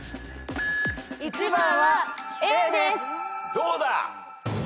どうだ？